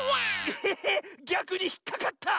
ええっ⁉ぎゃくにひっかかった！